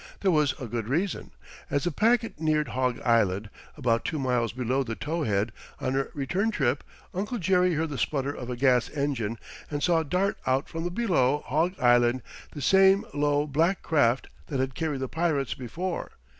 There was a good reason. As the packet neared Hog Island, about two miles below the Towhead, on her return trip, Uncle Jerry heard the sputter of a gas engine and saw dart out from below Hog Island the same low black craft that had carried the pirates before.